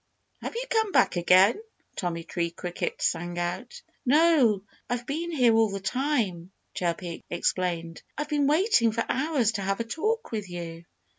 Have you come back again?" Tommy Tree Cricket sang out. "No! I've been here all the time," Chirpy explained. "I've been waiting for hours to have a talk with you."